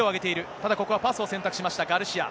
ただ、ここはパスを選択しました、ガルシア。